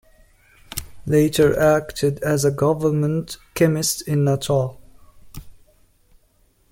Later acted as a Government Chemist in Natal.